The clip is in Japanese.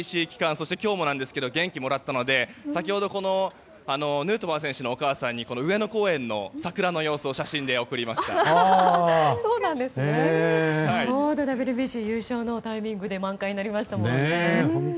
そして今日もなんですが元気をもらったので先ほどヌートバー選手のお母さんに上野公園の桜の様子をちょうどＷＢＣ優勝のタイミングで満開になりましたもんね。